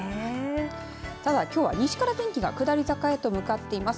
ただきょうは西から天気が下り坂へと向かっています。